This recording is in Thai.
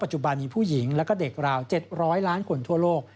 จุบันมีผู้หญิงและเด็กราว๗๐๐ล้านคนทั่วโลก